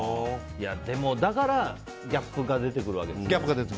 だからギャップが出てくるわけですね。